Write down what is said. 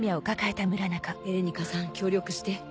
エレニカさん協力して。